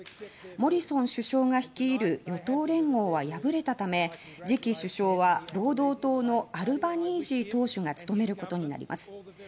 モリソン首相が率いる与党連合は敗れたため次期首相は労働党のアルバニージー党首が務めることになります。